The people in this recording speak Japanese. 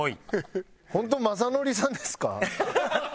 本当雅紀さんですか？